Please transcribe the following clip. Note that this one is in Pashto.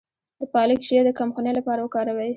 د پالک شیره د کمخونۍ لپاره وکاروئ